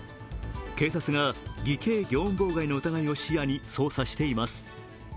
警察が偽計業務妨害の疑いを視野に捜査しています。